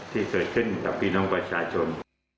ที่เกิดขึ้นกับพี่น้องประชาชน